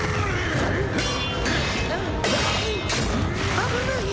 危ない！